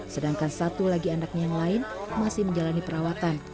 sedangkan satu lagi anaknya yang lain masih menjalani perawatan